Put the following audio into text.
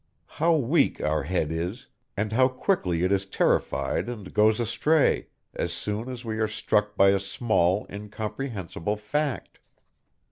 How weak our head is, and how quickly it is terrified and goes astray, as soon, as we are struck by a small, incomprehensible fact.